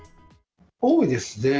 多いですね。